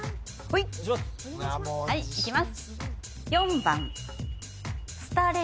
はいはいいきます